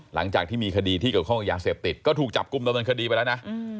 หลังจากที่มีคดีที่เกี่ยวข้องกับยาเสพติดก็ถูกจับกลุ่มดำเนินคดีไปแล้วนะ